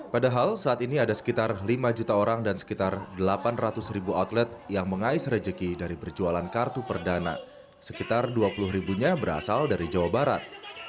padahal saat ini ada sekitar lima juta orang dan sekitar delapan ratus ribu outlet yang mengais rejeki dari berjualan kartu perdana sekitar dua puluh ribunya berasal dari jawa barat